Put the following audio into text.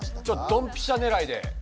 ドンピシャねらいで。